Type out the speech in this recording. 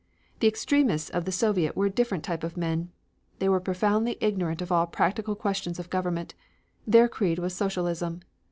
The Extremists of the Soviet were a different type of men. They were profoundly ignorant of all practical questions of government; their creed was socialism.